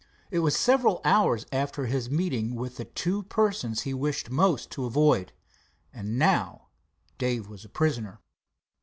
It was several hours after his meeting with the two persons he wished most to avoid. And now Dave was a prisoner.